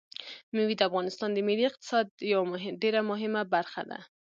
مېوې د افغانستان د ملي اقتصاد یوه ډېره مهمه برخه ده.